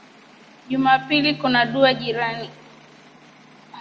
Juma pili kuna dua jirani.